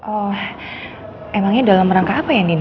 oh emangnya dalam rangka apa ya nin